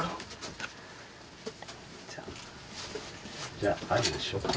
じゃあありにしようか。